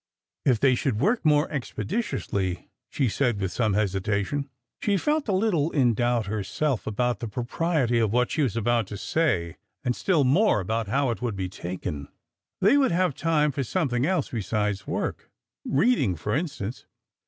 If they should work more expeditiously," she said with some hesitation, — she felt a little in doubt herself about the propriety of what she was about to say, and still more as to how it would be taken, —" they would have time for something else besides work— reading, for in stance."